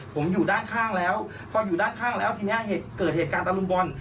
ผมอยู่ด้านข้างแล้วพออยู่ด้านข้างแล้วทีนี้เกิดเหตุการณ์ตะลุมบอล